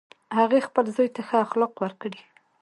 هغې خپل زوی ته ښه اخلاق ورکړی